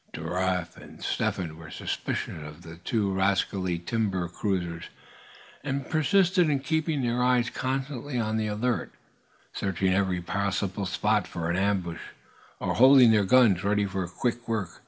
Giraffe and Step Hen were suspicious of the two rascally timber cruisers, and persisted in keeping their eyes constantly on the alert, searching every possible spot for an ambuscade, and holding their guns ready for quick work.